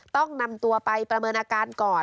ต้องนำตัวไปประเมินอาการก่อน